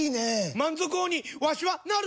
満足王にわしはなる！